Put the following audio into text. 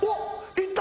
いった。